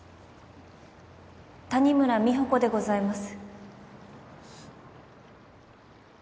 谷村美保子でございます